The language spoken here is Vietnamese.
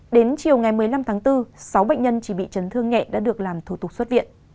đến chiều ngày một mươi năm tháng bốn sáu bệnh nhân chỉ bị chấn thương nhẹ đã được làm thủ tục xuất viện